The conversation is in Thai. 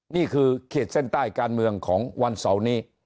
เขตเส้นใต้การเมืองของวันเสาร์นี้